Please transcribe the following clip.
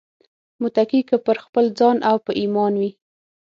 متکي که پر خپل ځان او په ايمان وي